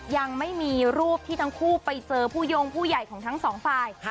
ยังไม่มีรูปที่ทั้งคู่ไปเจอผู้โยงผู้ใหญ่ของทั้งสองฝ่าย